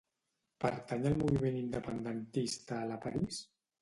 Pertany al moviment independentista la Paris?